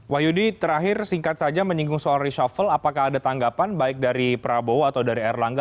wahyudi terakhir singkat saja menyinggung soal reshuffle apakah ada tanggapan baik dari prabowo atau dari erlangga